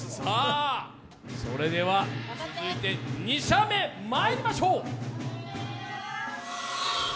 続いて２射目、まいりましょう。